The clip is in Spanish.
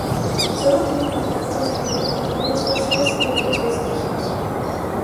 Sólo tiene contacto directo con algunos fósiles y otros vestigios.